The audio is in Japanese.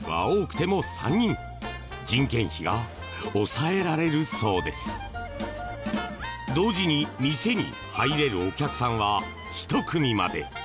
店に同時に入れるお客さんは１組まで。